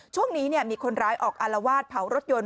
ช่วงนี้มีคนร้ายออกอารวาสเผารถยนต์